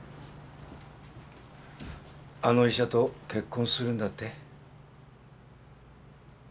あの医者と結婚するんだって？